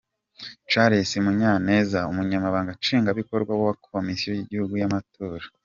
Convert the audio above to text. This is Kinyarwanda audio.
Cherles Munyaneaza Umunyamabanga nshingwa bikorwa wa Komisiyo y’Igihugu y’Amatora